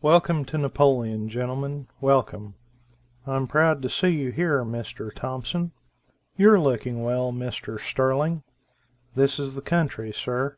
"Welcome to Napoleon, gentlemen, welcome. I am proud to see you here Mr. Thompson. You are, looking well Mr. Sterling. This is the country, sir.